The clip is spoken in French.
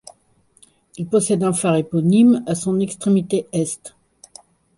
Il possède un phare éponyme à son extrémité Est.